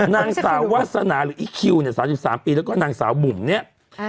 นางสาววาสนาหรืออีคิวเนี่ย๓๓ปีแล้วก็นางสาวบุ๋มเนี่ย